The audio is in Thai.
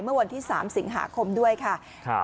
เมื่อวันที่๓สิงหาคมด้วยค่ะ